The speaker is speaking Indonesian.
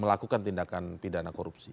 melakukan tindakan pidana korupsi